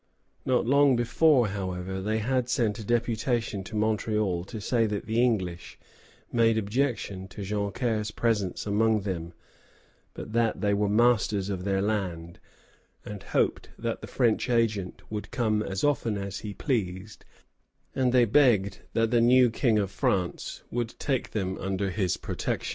] Not long before, however, they had sent a deputation to Montreal to say that the English made objection to Joncaire's presence among them, but that they were masters of their land, and hoped that the French agent would come as often as he pleased; and they begged that the new King of France would take them under his protection.